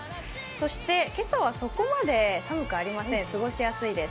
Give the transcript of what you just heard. そして今朝はそこまで寒くありません、過ごしやすいです。